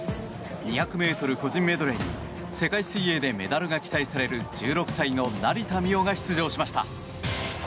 ２００ｍ個人メドレーに世界水泳でメダルが期待される１６歳の成田実生が出場しました。